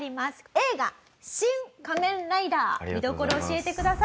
映画『シン・仮面ライダー』見どころ教えてください。